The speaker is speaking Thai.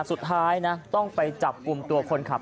สุดท้ายนะต้องไปจับกลุ่มตัวคนขับ